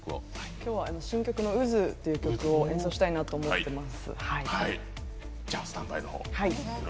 今日は新曲の「渦」を演奏したいと思っています。